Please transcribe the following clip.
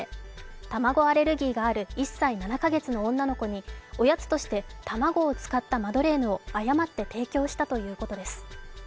卵アレルギーがある１歳７か月の女の子におやつとして卵を使ったマドレーヌを誤って提供したということです。